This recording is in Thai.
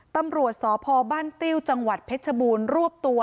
ตำรวจสพบ้านติ้วจังหวัดเพชรบูรณ์รวบตัว